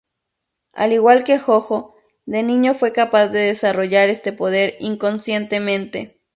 Al igual que JoJo, de niño fue capaz de desarrollar este poder inconscientemente.